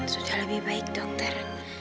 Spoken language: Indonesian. sudah lebih baik dokter